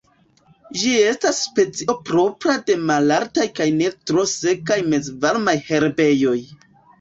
Ĝi estas specio propra de malaltaj kaj ne tro sekaj mezvarmaj herbejoj.